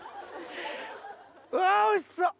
うわおいしそう！